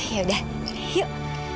ya udah yuk